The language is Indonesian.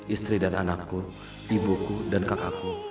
istri dan anak ku ibuku dan kakak ku